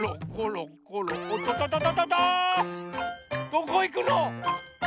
どこいくの？